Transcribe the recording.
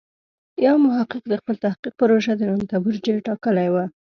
یو محقق د خپل تحقیق پروژه د رنتبور جېل ټاکلی و.